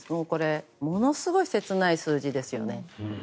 ものすごい切ない数字ですよね。